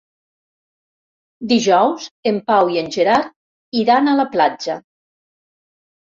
Dijous en Pau i en Gerard iran a la platja.